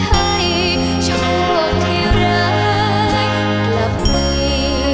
ให้ช่วงพวกที่ร้ายกลับไป